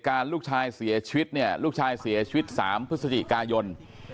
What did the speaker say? การลูกชายเสียชีวิตลูกชายเสียชีวิตสามพฤศจิกายน